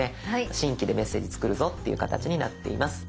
新規でメッセージ作るぞっていう形になっています。